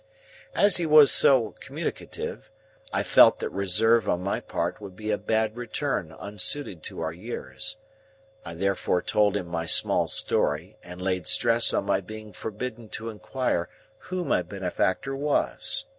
As he was so communicative, I felt that reserve on my part would be a bad return unsuited to our years. I therefore told him my small story, and laid stress on my being forbidden to inquire who my benefactor was.